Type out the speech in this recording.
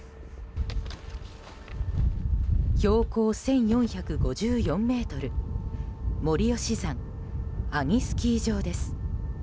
標高１４５４ｍ森吉山阿仁スキー場です。